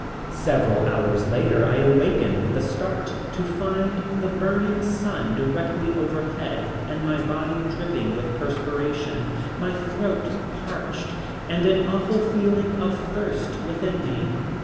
Several hours later I awakened with a start to find the burning sun directly overhead and my body dripping with perspiration, my throat parched and an awful feeling of thirst within me.